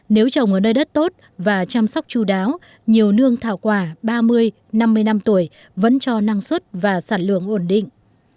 nếu trồng ở nơi đất tốt và chăm sóc chú đáo nhiều nương thảo quả ba mươi năm mươi năm tuổi vẫn cho năng suất và sản lượng ổn định